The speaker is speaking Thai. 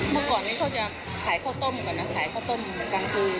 เมื่อก่อนนี้เขาจะขายข้าวต้มก่อนนะขายข้าวต้มกลางคืน